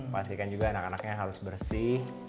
pastikan juga anak anaknya harus bersih